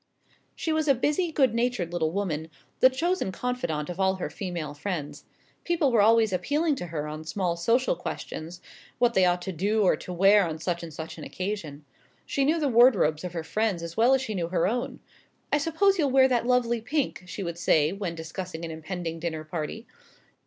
She was a busy good natured little woman, the chosen confidante of all her female friends. People were always appealing to her on small social questions, what they ought to do or to wear on such and such an occasion. She knew the wardrobes of her friends as well as she knew her own. "I suppose you'll wear that lovely pink," she would say when discussing an impending dinner party.